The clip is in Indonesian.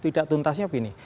tidak tuntasnya begini